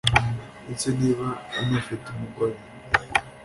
ndetse niba anafite umugore